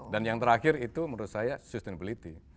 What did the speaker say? dan yang terakhir itu menurut saya sustainability